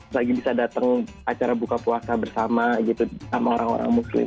lagi bisa datang acara buka puasa bersama gitu sama orang orang muslim